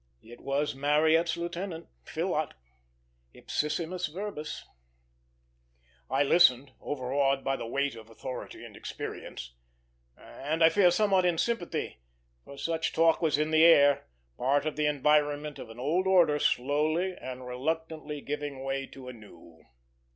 It was Marryat's lieutenant, Phillott, ipsissimis verbis. I listened, over awed by the weight of authority and experience; and I fear somewhat in sympathy, for such talk was in the air, part of the environment of an old order slowly and reluctantly giving way to a new.